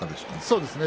そうですね。